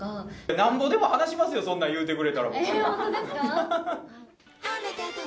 なんぼでも話しますよ、そんなの言うてくれたら、僕に。